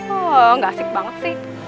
oh gak asik banget sih